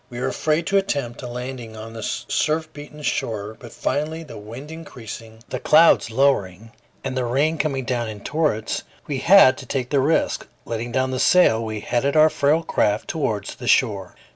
We were afraid to attempt a landing on the surf beaten shore; but finally, the wind increasing, the clouds lowering, and the rain coming down in torrents, we had to take the risk. Letting down the sail, we headed our frail craft towards the shore.